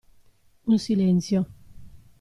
Un silenzio.